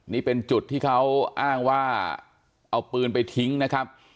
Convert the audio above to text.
นี่เป็นจุดที่เขาอ้างว่าเอาปืนไปทิ้งนะครับ